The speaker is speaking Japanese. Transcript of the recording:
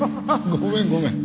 ごめんごめん。